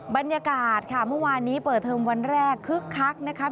บรรยากาศค่ะเมื่อวานนี้เปิดเทอมวันแรกคึกคักนะคะ